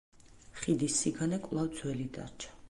ხიდის სიგანე კვლავ ძველი დარჩა.